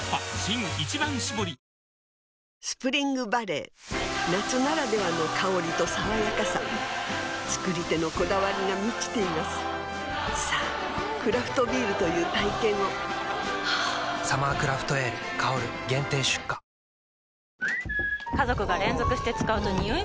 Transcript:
スプリングバレー夏ならではの香りと爽やかさ造り手のこだわりが満ちていますさぁクラフトビールという体験を「サマークラフトエール香」限定出荷あっ学ラン。